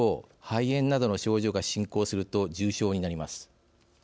肺炎などの症状が進行すると重症になります。